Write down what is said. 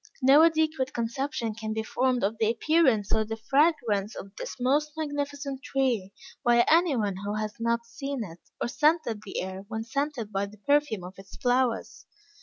No adequate conception can be formed of the appearance or the fragrance of this most magnificent tree, by any one who has not seen it or scented the air when scented by the perfume of its flowers.